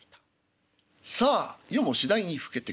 さあ夜も次第に更けてくる。